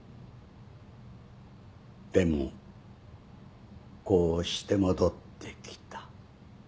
でもこうして戻ってきた。